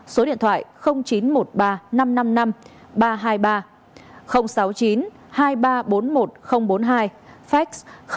số điện thoại chín trăm một mươi ba năm trăm năm mươi năm ba trăm hai mươi ba sáu mươi chín hai nghìn ba trăm bốn mươi một bốn mươi hai fax sáu mươi chín hai nghìn ba trăm bốn mươi một bốn mươi bốn